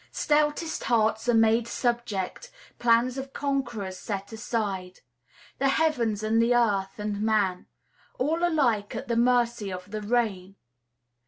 Stoutest hearts are made subject, plans of conquerors set aside, the heavens and the earth and man, all alike at the mercy of the rain.